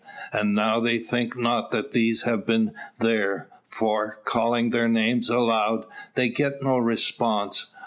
And now they think not that these have been there; for, calling their names aloud, they get no response.